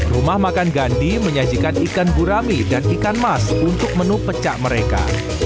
rumah makan gandhi menyajikan ikan gurami dan ikan mas untuk menu pecah mereka